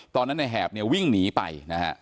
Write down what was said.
ตอนนั้นแห่บวิ่งหนีไป